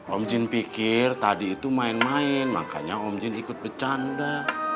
om jin pikir tadi itu main main makanya om jin ikut bercanda